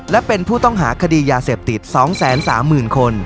และเป็นผู้ต้องหาคดียาเสพติด๒๓๐๐๐คน